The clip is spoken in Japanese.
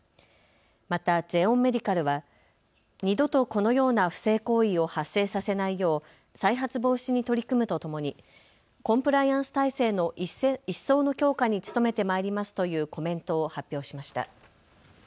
また、ゼオンメディカルは二度とこのような不正行為を発生させないよう再発防止に取り組むとともにコンプライアンス体制の一層の強化に努めてまいりますというコメントを発表しました。